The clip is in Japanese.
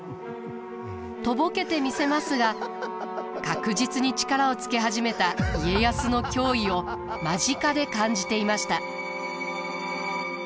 とぼけてみせますが確実に力をつけ始めた家康の脅威を間近で感じていました。